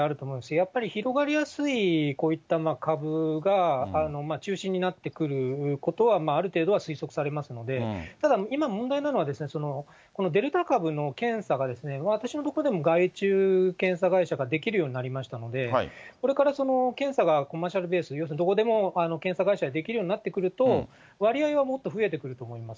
やっぱり広がりやすいこういった株が中心になってくることは、ある程度は推測されますので、ただ、今問題なのは、このデルタ株の検査が、私の所でも外注検査会社ができるようになりましたので、これからその検査がコマーシャルベース、要するにどこまで検査ができるようになってくると、割合はもっと増えてくると思います。